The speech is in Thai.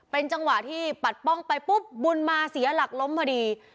เป็นจังหวะที่ปัดป้องไปปุ๊บบุญมาเสียหลักล้มพอดี